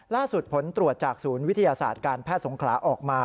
ผลตรวจจากศูนย์วิทยาศาสตร์การแพทย์สงขลาออกมา